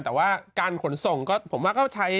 แต่ว่าการขนส่งก็ผมว่าก็ใช้